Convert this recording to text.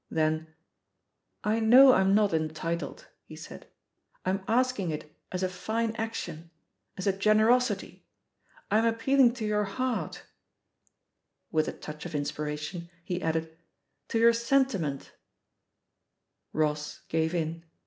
Then "I know I'm not entitled/' he said. ''I'm asking it as a fine action, as a generosity; I'm appealing to your heart I" With a touch of inspiration, he added, "to your sentiment I" Ross gave in.